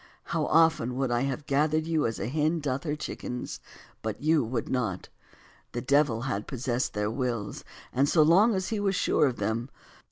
How often would I have gathered you as a hen doth her chickens, but you would not." The devil had possessed their wills, and so long he was sure enough of them.